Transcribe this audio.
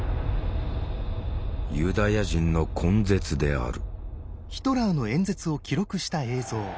「ユダヤ人」の根絶である。